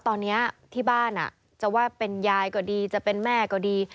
ตอนนี้ที่บ้านจะว่าเป็นยายก็ดีจะเป็นแม่ก็ดี